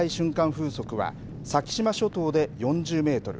風速は先島諸島で４０メートル